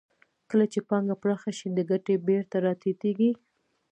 کله چې پانګه پراخه شي د ګټې بیه راټیټېږي